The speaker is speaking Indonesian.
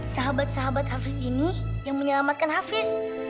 sahabat sahabat hafiz ini yang menyelamatkan hafiz